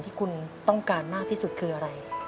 มีส่วนของคุณกับเรื่องอะไร